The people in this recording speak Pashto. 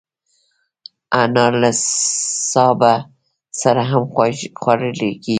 انار له سابه سره هم خوړل کېږي.